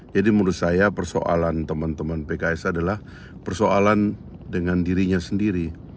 jadi menurut saya persoalan teman teman pks adalah persoalan dengan dirinya sendiri